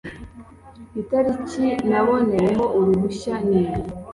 itariki naboneyeho uruhushya niyi